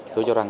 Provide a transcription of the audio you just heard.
tôi cho rằng